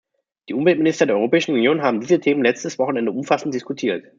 Die Umweltminister der Europäischen Union haben diese Themen letztes Wochenende umfassend diskutiert.